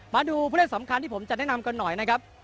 มาดูผู้เล่นสำคัญที่ผมจะแนะนำกันหน่อยนะครับ